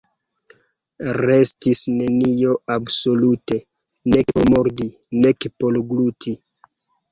Restis nenio absolute, nek por mordi, nek por gluti.